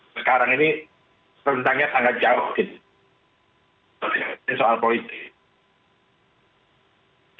sekarang ini rentangnya sangat jauh gitu soal politik